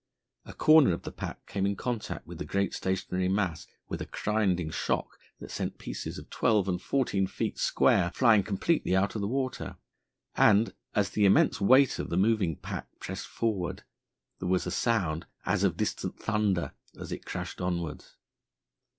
A corner of the pack came in contact with the great stationary mass with a grinding shock that sent pieces of twelve and fourteen feet square flying completely out of the water, and, as the immense weight of the moving pack pressed forward, there was a sound as of distant thunder as it crushed onwards.